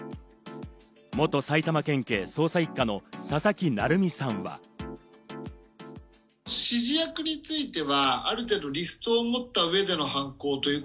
元埼玉県警捜査一課の佐々木成三さんは。